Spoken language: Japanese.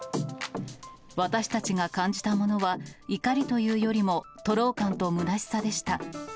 私たちが感じたものは、怒りというよりも、徒労感とむなしさでした。